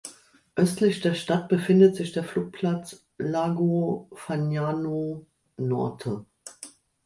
Östlich der Stadt befindet sich der Flugplatz "Lago Fagnano Norte".